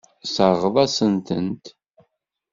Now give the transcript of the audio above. Tesseṛɣeḍ-asen-tent.